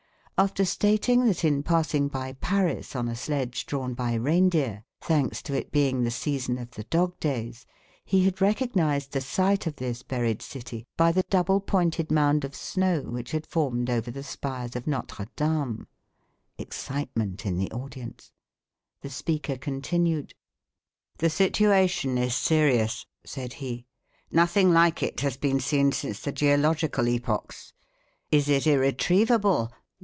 After stating that in passing by Paris on a sledge drawn by reindeer thanks to it being the season of the dog days he had recognised the site of this buried city by the double pointed mound of snow which had formed over the spires of Notre Dame (excitement in the audience) the speaker continued: "The situation is serious," said he, "nothing like it has been seen since the geological epochs. Is it irretrievable?